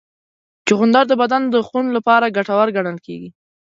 چغندر د بدن د خون لپاره ګټور ګڼل کېږي.